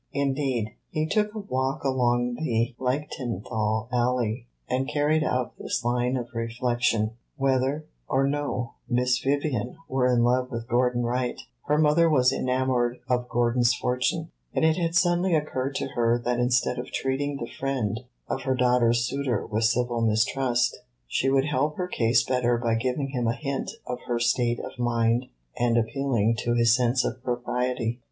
Indeed, he took a walk along the Lichtenthal Alley and carried out this line of reflection. Whether or no Miss Vivian were in love with Gordon Wright, her mother was enamored of Gordon's fortune, and it had suddenly occurred to her that instead of treating the friend of her daughter's suitor with civil mistrust, she would help her case better by giving him a hint of her state of mind and appealing to his sense of propriety.